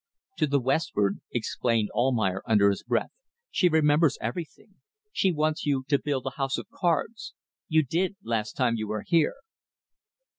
"To the westward," explained Almayer, under his breath. "She remembers everything. She wants you to build a house of cards. You did, last time you were here."